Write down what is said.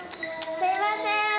すみません。